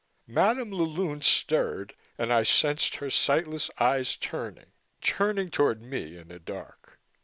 Madam la Lune stirred and I sensed her sightless eyes turning, turning toward me in the dark.